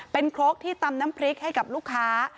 เป็นครกที่ตำน้ำพริกให้กับลูกค้า